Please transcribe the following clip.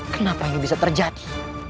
kenapa ini bisa terjadi